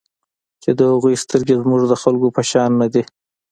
چې د هغوی سترګې زموږ د خلکو په شان نه دي.